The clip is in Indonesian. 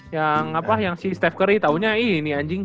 yang apa yang si steph curry taunya ini anjing